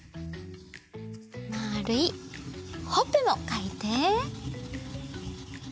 まるいほっぺもかいて。